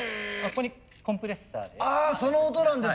ここにコンプレッサーで。